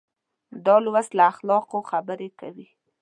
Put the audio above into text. دا لوست له اخلاقو خبرې کوي.